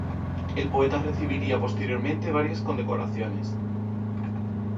El poeta recibiría posteriormente varias condecoraciones.